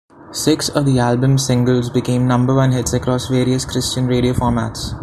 Six of the album's singles became number-one hits across various Christian radio formats.